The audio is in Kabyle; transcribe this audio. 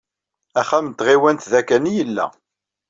Axxam n tɣiwant da kan i yella.